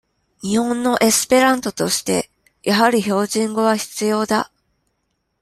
日本のエスペラントとして、やはり標準語は必要だ。